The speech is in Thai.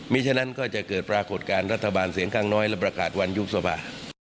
ฉะนั้นก็จะเกิดปรากฏการณ์รัฐบาลเสียงข้างน้อยและประกาศวันยุบสภา